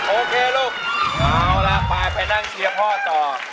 โอเคลูกเอาล่ะไปไปนั่งเชียร์พ่อต่อ